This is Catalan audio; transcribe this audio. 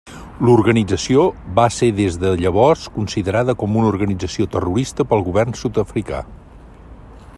L'organització va ser des de llavors considerada com una organització terrorista pel govern sud-africà.